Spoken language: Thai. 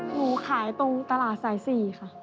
หนูขายตรงตลาดสาย๔ค่ะ